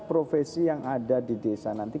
profesi yang ada di desa nanti